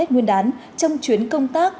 nguyên đán trong chuyến công tác